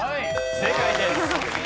正解です。